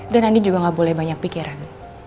dan nanti juga gak boleh banyak pikiran